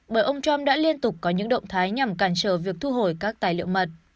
bởi ông trump đã liên tục có những động thái nhằm cản trở việc thu hồi các tài liệu mật